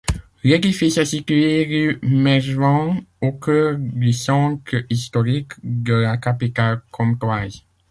L'édifice est situé rue Mégevand, au cœur du centre historique de la capitale comtoise.